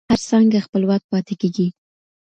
هر څانګه خپلواک پاتې کیږي.